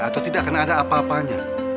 atau tidak akan ada apa apanya